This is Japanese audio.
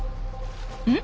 うん？